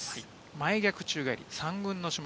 前逆宙返り。